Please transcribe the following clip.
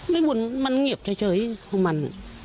ไม่ว่ามันเงียบเฉยเฉยก็บัน